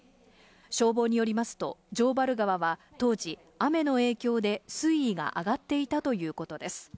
消防によりますと、城原川は当時、雨の影響で水位が上がっていたということです。